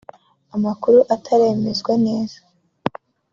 Amakuru ataremezwa neza